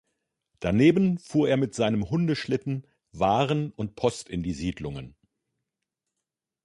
Daneben fuhr er mit seinem Hundeschlitten Waren und Post in die Siedlungen.